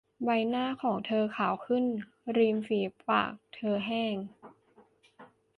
ใบหน้าของเธอขาวขึ้น ริมฝีปากเธอแห้ง